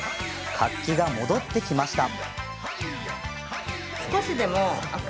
活気が戻ってきました。